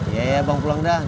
iya bang pulang dah